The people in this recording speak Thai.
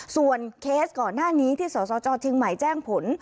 ส่วนเคสก่อนหน้านี้ที่สสจเชียงใหม่แจ้งผล